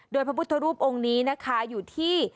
โดยพระพุทธรูปองค์นี้นะคะอยู่ที่